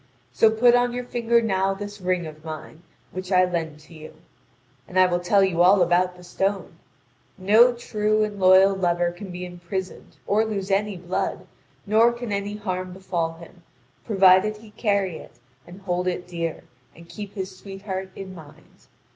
So put on your finger now this ring of mine, which I lend to you. And I will tell you all about the stone: no true and loyal lover can be imprisoned or lose any blood, nor can any harm befall him, provided he carry it and hold it dear, and keep his sweetheart in mind.